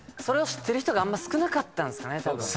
それを知ってる人があんま少なかったんですかね。